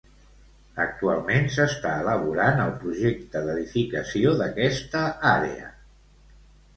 Actualment s'està elaborant el projecte d'edificació d'aquesta àrea.